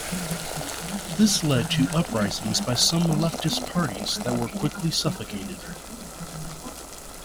This led to uprisings by some leftist parties that were quickly suffocated.